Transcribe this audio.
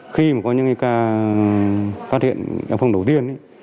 khi mà có những cái ca phát hiện ở phương đầu tiên